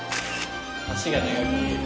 脚が長く見える。